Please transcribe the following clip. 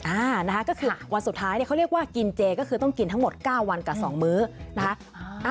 อ่านะคะก็คือวันสุดท้ายเนี่ยเขาเรียกว่ากินเจก็คือต้องกินทั้งหมด๙วันกับ๒มื้อนะคะ